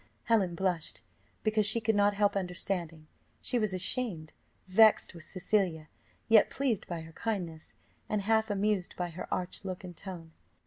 Helen blushed, because she could not help understanding; she was ashamed, vexed with Cecilia, yet pleased by her kindness, and half amused by her arch look and tone.